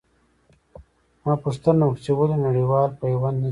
ما پوښتنه وکړه چې ولې نړېوال پیوند نه جوړوي.